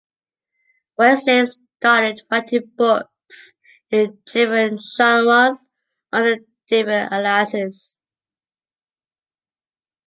Westlake started writing books in different genres, under different aliases.